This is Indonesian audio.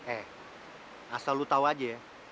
eh asal lu tahu aja ya